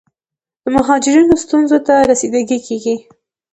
د مهاجرینو ستونزو ته رسیدګي کیږي.